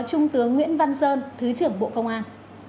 trung tướng nguyễn văn sơn thứ trưởng bộ công an